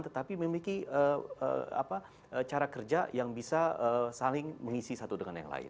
tetapi memiliki cara kerja yang bisa saling mengisi satu dengan yang lain